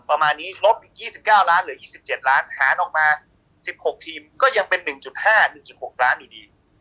ประมาณนี้ลบอีก๒๙ล้านเหลือ๒๗ล้านหารออกมา๑๖ทีมก็ยังเป็น๑๕๑๖ล้านอยู่ดี